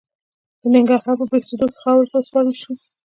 د ننګرهار په بهسودو کې خاورو ته وسپارل شو.